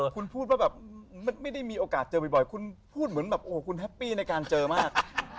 คุณพูดว่าแบบไม่ได้มีโอกาสเจอบ่อยคุณพูดเหมือนแบบโอ้โหคุณแฮปปี้ในการเจอมาก